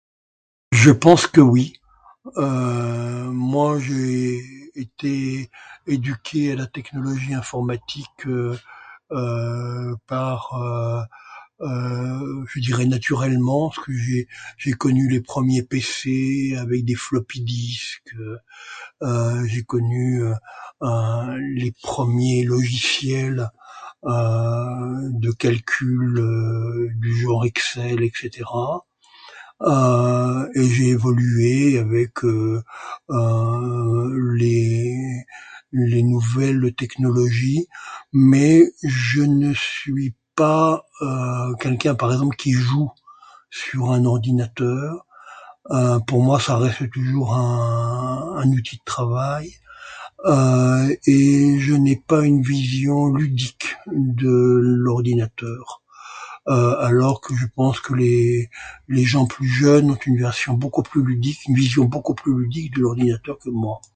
Je pense que oui, moi j'ai été éduqué à la technologie informatique par je dirais naturellement, parce que j'ai connu les premiers PC avec des floppy disks. J'ai connu les premiers logiciels de calcul, du genre Excel, et cetera, et j'ai évolué avec les... les nouvelles technologies, mais je ne suis pas quelqu'un par exemple qui joue sur un ordinateur, pour moi ça reste toujours un outil de travail, et je n'ai pas une vision ludique de l'ordinateur, alors que je pense que les les gens plus jeunes ont une version beaucoup plus ludique... une vision beaucoup plus ludique de l'ordinateur que moi.